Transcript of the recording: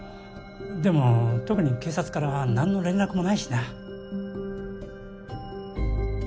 でも特に警察からなんの連絡もないしな。